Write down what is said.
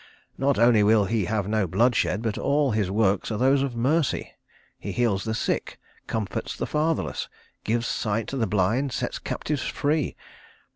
Not only will he have no bloodshed, but all his works are those of mercy. He heals the sick, comforts the fatherless, gives sight to the blind, sets captives free!